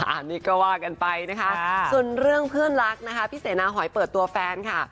อันนี้ก็ว่ากันไปนะคะส่วนเรื่องเพื่อนรักนะคะพี่เสนาหอยเปิดตัวแฟนค่ะ